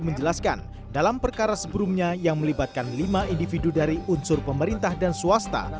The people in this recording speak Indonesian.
menjelaskan dalam perkara sebelumnya yang melibatkan lima individu dari unsur pemerintah dan swasta